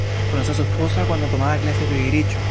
Conoció a su esposa cuando tomaba clases de derecho.